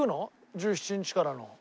１７日からの。